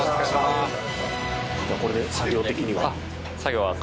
これで作業的には。